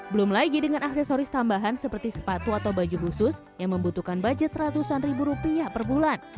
belum lagi dengan aksesoris tambahan seperti sepatu atau baju khusus yang membutuhkan budget ratusan ribu rupiah per bulan